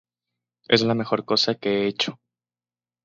Es la mejor cosa que he hecho.